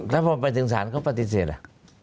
ถ้าพอไปถึงศาลเขาปฏิเสธล่ะ